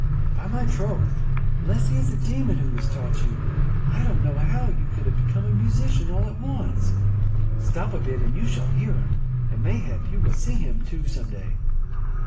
"By my troth, unless he is a demon who has taught you, I don't know how you can have become a musician all at once." "Stop a bit and you shall hear him, and mayhap you will see him too some day."